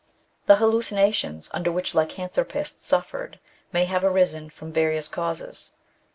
The hallucinations under which lycanthropists suf fered may have arisen from various causes.